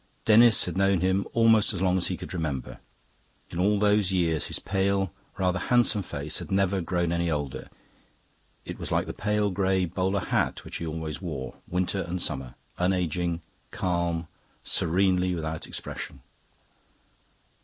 Denis had known him almost as long as he could remember. In all those years his pale, rather handsome face had never grown any older; it was like the pale grey bowler hat which he always wore, winter and summer unageing, calm, serenely without expression.